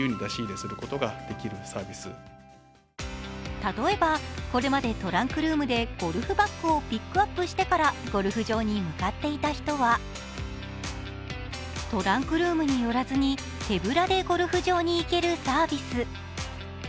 例えば、これまでトランクルームでゴルフバッグをピックアップしてからゴルフ場に向かっていた人は、トランクルームに寄らずに手ぶらでゴルフ場に行けるサービス。